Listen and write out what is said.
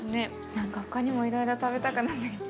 なんか、ほかにもいろいろ食べたくなってきた。